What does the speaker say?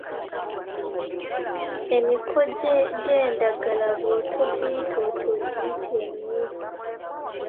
Emiko gy’endagala bw’otogiyita otyo ogiyita emiwulu.